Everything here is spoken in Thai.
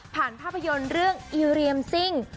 ภาพยนตร์เรื่องอีเรียมซิ่ง